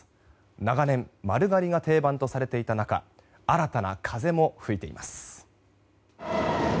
長年、丸刈りが定番とされていた中新たな風も吹いています。